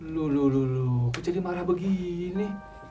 lulululu kecil dimarah begini